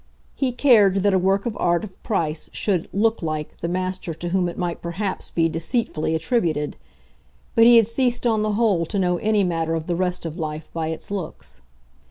He cared that a work of art of price should "look like" the master to whom it might perhaps be deceitfully attributed; but he had ceased on the whole to know any matter of the rest of life by its looks.